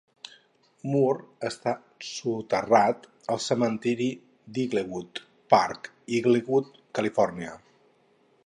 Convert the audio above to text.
Moore està soterrat al cementiri d'Inglewood Park, Inglewood, Califòrnia.